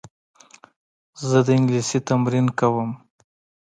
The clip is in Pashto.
زه د انګلیسي تمرین کوم.